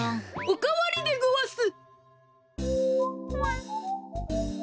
おかわりでごわす！